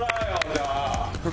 じゃあ。